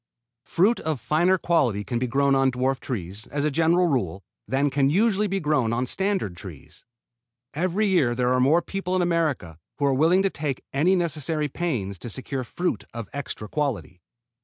Fruit of finer quality can be grown on dwarf trees, as a general rule, than can usually be grown on standard trees. Every year there are more people in America who are willing to take any necessary pains to secure fruit of extra quality.